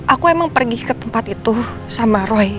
aku emang pergi ke tempat itu sama roy